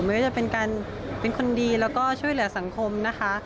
ไม่ว่าจะเป็นการเป็นคนดีแล้วก็ช่วยเหลือสังคมนะคะ